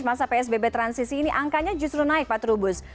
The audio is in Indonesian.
masa psbb transisi ini angkanya justru naik pak trubus